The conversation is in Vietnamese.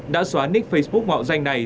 đã xóa nick facebook ngọt danh này